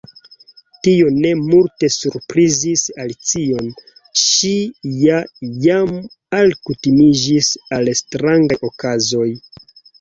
Tio ne multe surprizis Alicion; ŝi ja jam alkutimiĝis al strangaj okazoj.